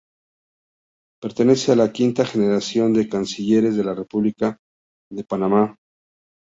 Pertenece a la quinta generación de Cancilleres de la República de Panamá.